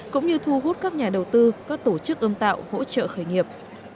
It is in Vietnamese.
cũng như thu hút các nhà đầu tư các tổ chức ươm tạo hỗ trợ khởi nghiệp